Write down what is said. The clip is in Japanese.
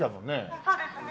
そうですね。